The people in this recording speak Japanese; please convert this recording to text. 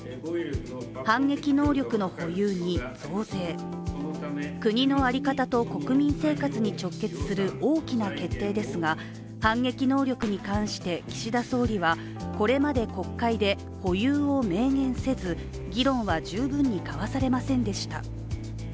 反撃能力の保有に、増税国の在り方と国民生活に直結する大きな決定ですが反撃能力に関して岸田総理はこれまで国会で保有を明言せず、議論は十分に交わされませんでした。